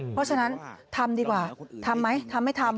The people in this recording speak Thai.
เพราะฉะนั้นทำดีกว่าทำไหมทำไม่ทำ